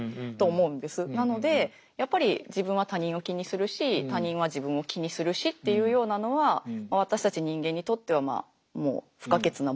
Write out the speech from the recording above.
なのでやっぱり自分は他人を気にするし他人は自分を気にするしっていうようなのは私たち人間にとってはもう不可欠なもの。